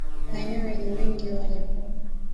Maeneo yenye wingi wa wanyamapori